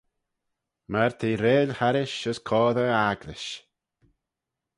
Myr t'eh reill harrish as coadey e agglish.